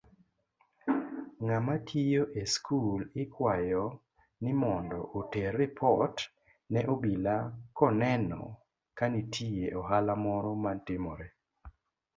Ng'amatiyo eskul ikwayo nimondo oter ripot ne obila koneno kanitie ohala moro matimore.